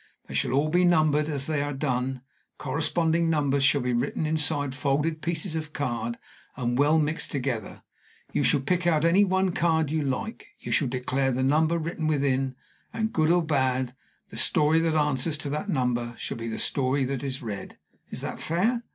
They shall be all numbered as they are done; corresponding numbers shall be written inside folded pieces of card and well mixed together; you shall pick out any one card you like; you shall declare the number written within; and, good or bad, the story that answers to that number shall be the story that is read. Is that fair?"